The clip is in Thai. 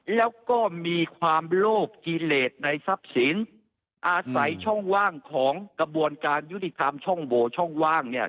แล้วก็มีความโลภกิเลสในทรัพย์สินอาศัยช่องว่างของกระบวนการยุติธรรมช่องโบช่องว่างเนี่ย